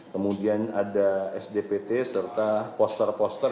kemudian ada sdpt serta poster poster